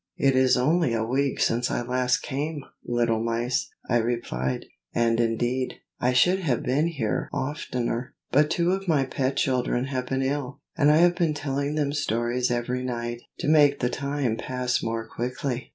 "It is only a week since I last came, little mice!" I replied; "and indeed, I should have been here oftener, but two of my pet children have been ill, and I have been telling them stories every night, to make the time pass more quickly."